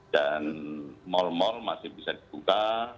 dan mal mal masih bisa dibuka